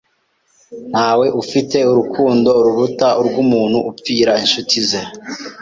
Ntawe ufite urukundo ruruta urw'umuntu upfira inshuti ze."